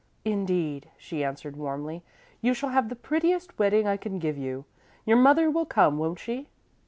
"Indeed," she answered, warmly, "you shall have the prettiest wedding I can give you. Your mother will come, won't she?"